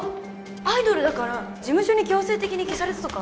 アイドルだから事務所に強制的に消されたとか？